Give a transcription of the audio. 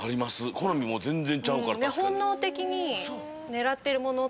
好みも全然ちゃうから。